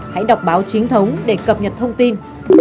hãy đọc báo chính thống để cập nhật thông tin